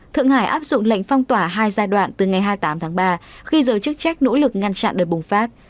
thượng hải áp dụng lệnh phong tỏa hai giai đoạn từ ngày hai mươi tám tháng ba khi giới chức trách nỗ lực ngăn chặn đợt bùng phát